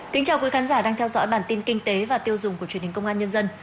kính chào quý khán giả đang theo dõi bản tin kinh tế và tiêu dùng của truyền hình công an nhân dân